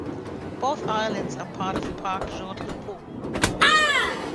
Both islands are part of Parc Jean-Drapeau.